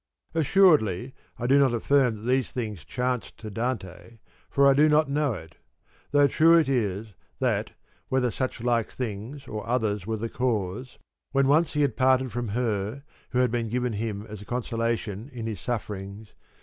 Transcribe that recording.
Assuredly I do not affirm that these things chanced to Dante; for I do not know it; though true it is, that (whether such like things or others were the cause) when once he had parted from her (who had been given him as a consolation in his sufferings!)